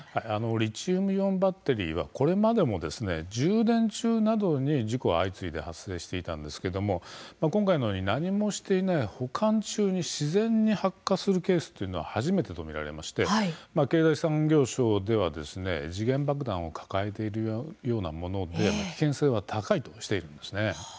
リチウムイオンバッテリーはこれまでも充電中などに事故が相次いで発生していたんですけれども、今回のように何もしていない保管中に自然に発火するケースというのは初めてとみられまして経済産業省では時限爆弾を抱えているようなもので危険性は高いとしているんですね。